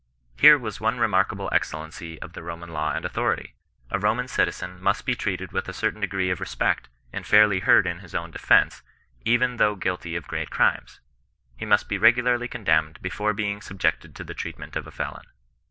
Here was one remarkable excellency of the Roman law and authority :— a Roman citi2sen must be treated with a certain degree of respect, and fairly heard in his own defence, even though guilty of great crimes. He must be regularly condemned before being subjected to the treatment of a felon.